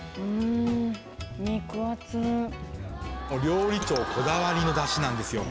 料理長こだわりのダシなんですよ。